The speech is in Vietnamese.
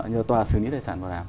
nhờ tòa xử lý tài sản vào làm